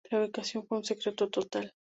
La ubicación fue un secreto total.